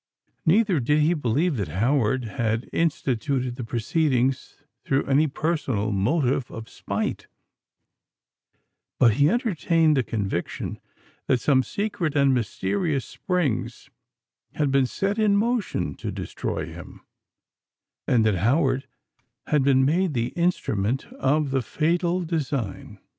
Neither did he believe that Howard had instituted the proceedings through any personal motive of spite; but he entertained the conviction that some secret and mysterious springs had been set in motion to destroy him, and that Howard had been made the instrument of the fatal design.